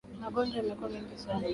Magonjwa yamekuwa mengi sana